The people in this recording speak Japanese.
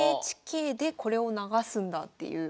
ＮＨＫでこれを流すんだっていう。